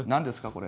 これ。